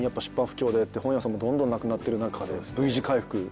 出版不況でって本屋さんもどんどんなくなってる中でＶ字回復。